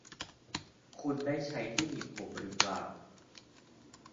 คุณได้ใช้ที่หนีบผมหรือเปล่า ?